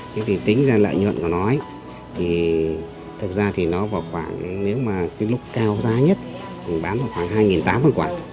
thế thì tính ra lợi nhuận của nó ấy thì thật ra thì nó vào khoảng nếu mà cái lúc cao giá nhất bán vào khoảng hai tám trăm linh quả